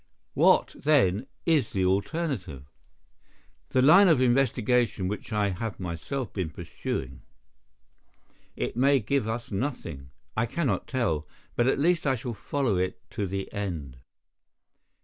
"What, then, is the alternative?" "The line of investigation which I have myself been pursuing. It may give us nothing. I cannot tell. But at least I shall follow it to the end."